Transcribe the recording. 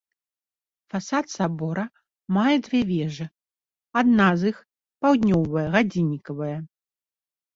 Фасад сабора мае дзве вежы, адна з іх, паўднёвая, гадзіннікавая.